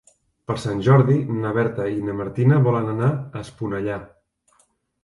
Per Sant Jordi na Berta i na Martina volen anar a Esponellà.